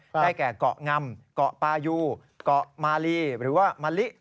ได้แก่เกาะงำเกาะปายูเกาะมาลีหรือว่ามะลิ